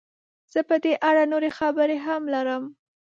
زه په دې اړه نورې خبرې هم لرم.